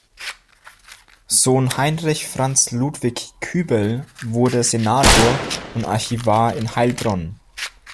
Sohn Heinrich Franz Ludwig Kübel wurde Senator und Archivar in Heilbronn.